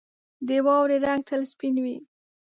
• د واورې رنګ تل سپین وي.